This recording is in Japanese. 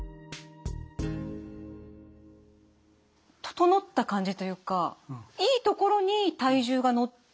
整った感じというかいい所に体重が乗ってるなって。